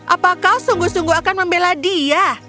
apa kau sungguh sungguh akan membela dia